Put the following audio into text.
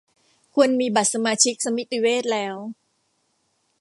ควรมีบัตรสมาชิกสมิติเวชแล้ว